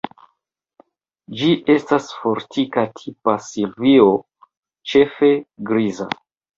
Ĝi estas fortika tipa silvio, ĉefe griza.